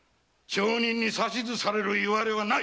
町人に指図されるいわれはない！